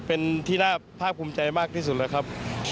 เป็นที่น่าภาพภูมิใจมากที่สุดแล้วครับ